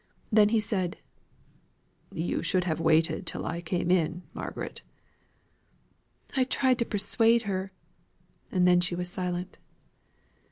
Then he said: "You should have waited till I came in, Margaret." "I tried to persuade her " and then she was silent.